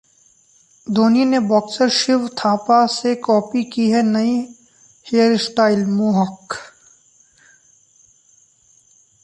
धोनी ने बॉक्सर शिव थापा से कॉपी की है नई हेयरस्टाइल 'मोहॉक'!